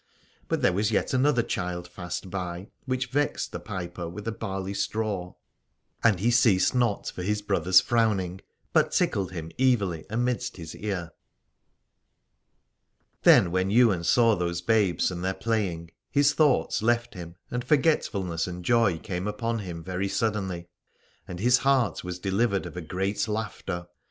But there was yet another child fast by, which vexed the piper with a barley straw : and he 185 Aladore ceased not for his brother's frowning, but tickled him evilly amidst his ear. Then when Ywain saw those babes and their playing his thoughts left him and for getfulness and joy came upon him very sud denly, and his heart was delivered of a great laughter.